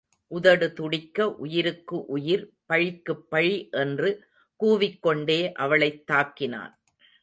உதடு துடிக்க, உயிருக்கு உயிர், பழிக்குப் பழி என்று கூவிக்கொண்டே அவளைத் தாக்கினான்.